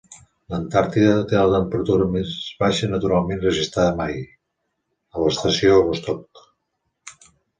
L'Antàrtida té la temperatura més baixa naturalment registrada mai: a l'Estació Vostok.